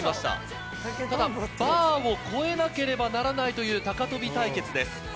ただバーを越えなければならないという高跳び対決です。